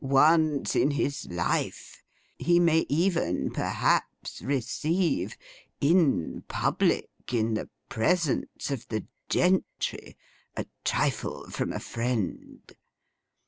Once in his life, he may even perhaps receive; in public, in the presence of the gentry; a Trifle from a Friend.